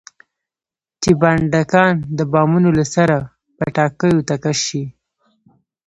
چې بډنکان د بامونو له سره پټاکیو ته کش شي.